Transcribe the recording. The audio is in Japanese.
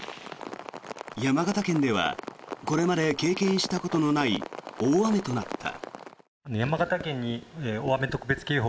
山形県ではこれまで経験したことのない大雨となった。